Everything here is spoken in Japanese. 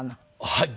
はい。